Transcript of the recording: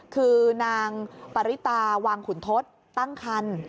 คือนางปริตาวางขุนทศตั้งคัน